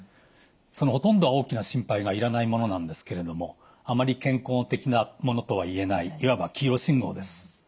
そのほとんどは大きな心配がいらないものなんですけれどもあまり健康的なものとは言えないいわば黄色信号です。